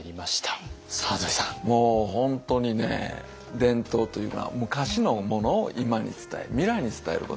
伝統というのは昔のものを今に伝え未来に伝えること。